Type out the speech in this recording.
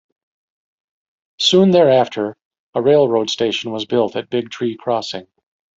Soon thereafter, a railroad station was built at Big Tree Crossing.